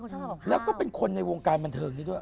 ชอบแล้วก็เป็นคนในวงการบันเทิงนี้ด้วย